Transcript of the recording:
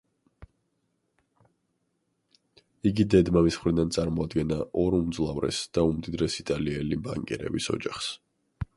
იგი დედ-მამის მხრიდან წარმოადგენდა ორ უმძლავრეს და უმდიდრეს იტალიელი ბანკირების ოჯახს.